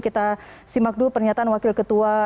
kita simak dulu pernyataan wakil ketua